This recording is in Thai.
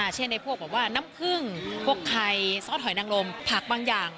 เช่นในพวกแบบว่าน้ำผึ้งพวกไข่ซอสหอยนังลมผักบางอย่าง